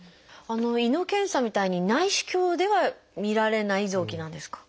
胃の検査みたいに内視鏡ではみられない臓器なんですか？